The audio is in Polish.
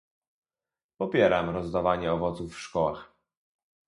Popieram rozdawanie owoców w szkołach